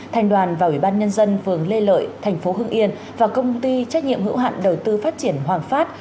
thành đoàn và ủy ban nhân dân phường lê lợi thành phố hưng yên và công ty trách nhiệm hữu hạn đầu tư phát triển hoàng phát